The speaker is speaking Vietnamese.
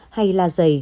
hay là dày